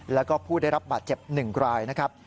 แล้วก็ผู้ได้รับบาดเจ็บ๑รายนะครับ